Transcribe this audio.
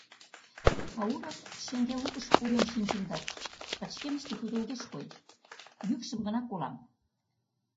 Кауров шеҥгел лукыш пурен шинчын дыр, пычкемыште тудо огеш кой, йӱкшым гына колам: